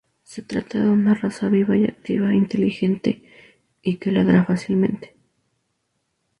Se trata de una raza viva y activa, inteligente y que ladra fácilmente.